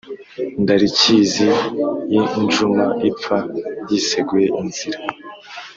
ndarikizi y'injuma ipfa yiseguye inzira.